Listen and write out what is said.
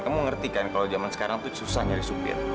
kamu ngerti kan kalau zaman sekarang tuh susah nyari supir